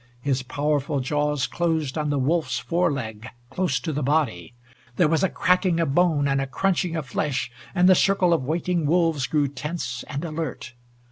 His powerful jaws closed on the wolf's foreleg, close to the body. There was a cracking of bone and a crunching of flesh, and the circle of waiting wolves grew tense and alert.